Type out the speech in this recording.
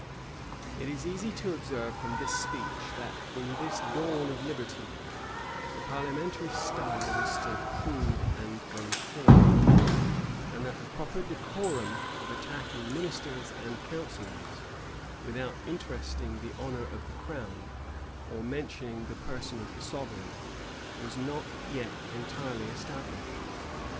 [*] It is easy to observe from this speech, that, in this dawn of liberty, the parliamentary style was still crude and unformed; and that the proper decorum of attacking ministers and counsellors, without interesting the honor of the crown, or mentioning the person of the sovereign, was not yet entirely established.